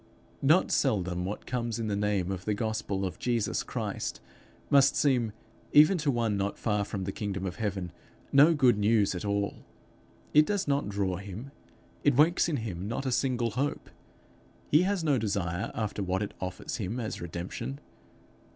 Not seldom, what comes in the name of the gospel of Jesus Christ, must seem, even to one not far from the kingdom of heaven, no good news at all. It does not draw him; it wakes in him not a single hope. He has no desire after what it offers him as redemption.